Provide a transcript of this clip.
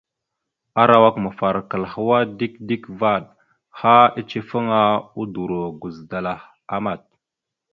Arawak mafarakal hwa dik dik vvaɗ, ha icefaŋa, udoro guzədalah amat.